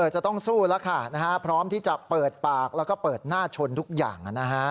จะต้องสู้แล้วค่ะพร้อมที่จะเปิดปากแล้วก็เปิดหน้าชนทุกอย่าง